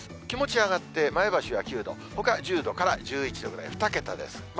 気持ち上がって、前橋は９度、ほかは１０度から１１度ぐらい、２桁です。